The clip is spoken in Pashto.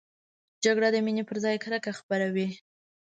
جګړه د مینې پر ځای کرکه خپروي